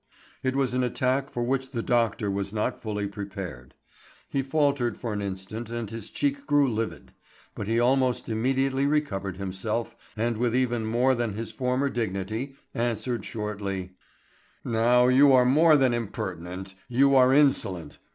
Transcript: It was an attack for which the doctor was not fully prepared. He faltered for an instant and his cheek grew livid, but he almost immediately recovered himself, and with even more than his former dignity, answered shortly: "Now you are more than impertinent, you are insolent.